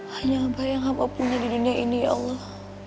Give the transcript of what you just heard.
hanya abah yang haba punya di dunia ini ya allah